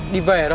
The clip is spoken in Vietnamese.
đi về thôi